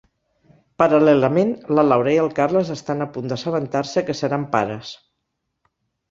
Paral·lelament, la Laura i el Carles estan a punt d'assabentar-se que seran pares.